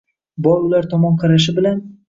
Boy ular tomon qarashi bilan